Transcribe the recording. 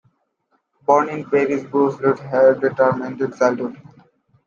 Born in Paris, Brussolo had a tormented childhood.